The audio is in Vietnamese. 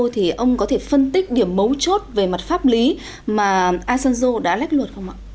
thì ông có thể phân tích điểm mấu chốt về mặt pháp lý mà asanzo đã lách luật không ạ